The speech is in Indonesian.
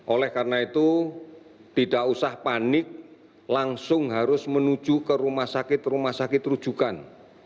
oleh karena itu tidak usah panik langsung harus menuju ke rumah sakit rumah sakit rujukan